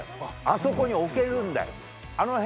あそこに置けるんだよ。